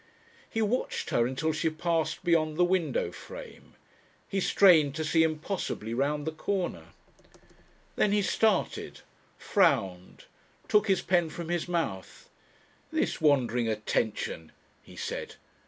He watched her until she passed beyond the window frame. He strained to see impossibly round the corner.... Then he started, frowned, took his pen from his mouth. "This wandering attention!" he said.